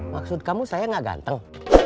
maksud kamu saya gak ganteng